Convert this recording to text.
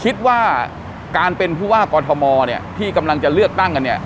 คิดว่าการเป็นผู้ว่ากอทมที่กำลังจะเลือกตั้งกันเนี่ย